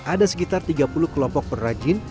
ada sekitar tiga puluh kelompok perajin